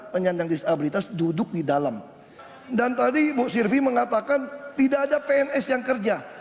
penyandang disabilitas duduk di dalam dan tadi bu sirvi mengatakan tidak ada pns yang kerja